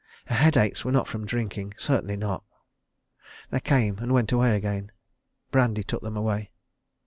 Her headaches were not from drinking. Certainly not. They came and went away again. Brandy took them away.